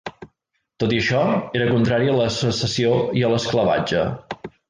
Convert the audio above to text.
Tot i això, era contrari a la secessió i a l'esclavatge.